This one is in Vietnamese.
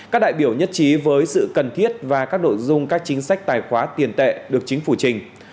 các đại biểu nhất trí với sự cần thiết và các nội dung các chính sách tài khoá tiền tệ được chính phủ trình